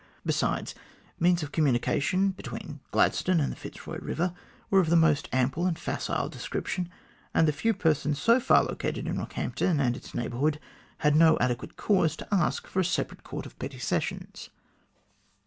Besides, means of communication between Gladstone and the Fitzroy Eiver were of the most ample and facile description, and the few persons so far located in Eockhampton and its neighbourhood had no adequate cause to ask for a separate court of petty sessions.